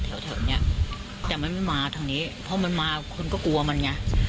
แถวแถวเนี้ยแต่มันไม่มาทางนี้เพราะมันมาคนก็กลัวมันไง